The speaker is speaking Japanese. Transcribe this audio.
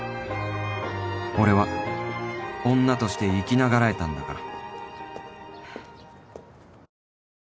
俺は女として生き永らえたんだから